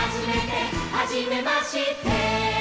「はじめまして」